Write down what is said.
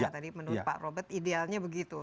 tadi menurut pak robert idealnya begitu